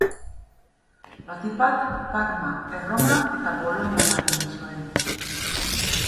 Batik bat, Parma, Erroma eta Bolonian lan egin zuen.